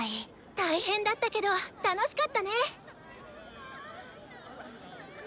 大変だったけど楽しかったね！